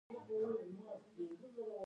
هغه د کارګرانو د ورځني کار وخت ثابت ساتي